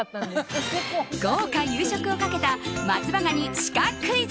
豪華夕食をかけた松葉ガニシカクイズ。